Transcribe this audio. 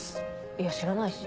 いや知らないし。